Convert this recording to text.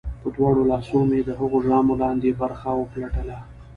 په دواړو لاسو مې د هغه د ژامو لاندې برخه وپلټله